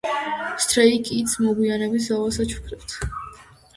სთრეი კიდს მოგვიანებით დავასაჩუქრებთ